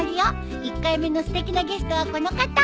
１回目のすてきなゲストはこの方。